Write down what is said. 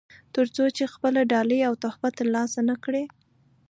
تر څو چې خپله ډالۍ او تحفه ترلاسه نه کړي.